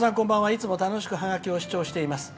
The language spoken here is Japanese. いつも楽しく視聴しています。